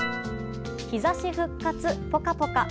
日差し復活、ポカポカ。